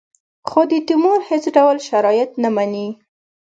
خو د تیمور هېڅ ډول شرایط نه مني.